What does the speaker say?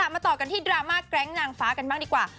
มาต่อกันที่ดราม่าแก๊งนางฟ้ากันบ้างดีกว่า